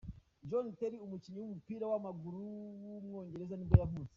John Terry, umukinnyi w’umupira w’amaguru w’umwongereza nibwo yavutse.